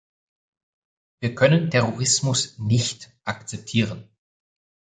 Wir können Terrorismus nicht akzeptieren.